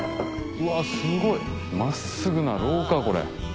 うわすごい真っすぐな廊下これ。